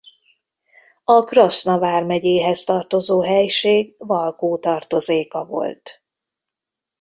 A Kraszna vármegyéhez tartozó helység Valkó tartozéka volt.